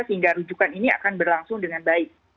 sehingga rujukan ini akan berlangsung dengan baik